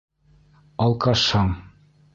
Алкашһың.